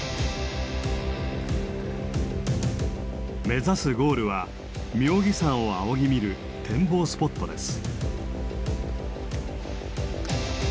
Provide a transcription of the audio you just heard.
目指すゴールは妙義山を仰ぎ見る展望スポットです。